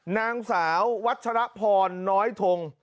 นางสาววัชรพรน้อยทง